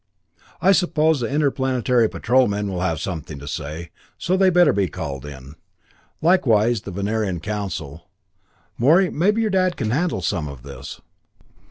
"I suppose the Interplanetary Patrol men will have something to say, so they better be called in. Likewise the Venerian Council. Morey, maybe your dad can handle some of this."